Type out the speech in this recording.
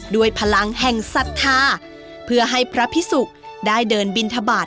ด้วยพลังแห่งศรัทธาเพื่อให้พระพิสุกได้เดินบินทบาท